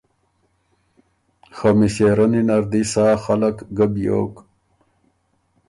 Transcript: خه مِݭېرنی نر دی سا خلق ګه بیوک